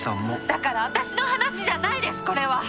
だから私の話じゃないですこれは。